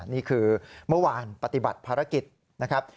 นี่คือเมื่อวานปฏิบัติภารกิจนะครับ